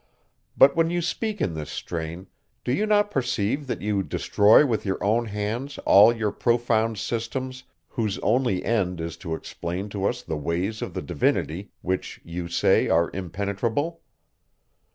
But when you speak in this strain, do you not perceive, that you destroy with your own hands all your profound systems, whose only end is to explain to us the ways of the divinity, which, you say, are impenetrable?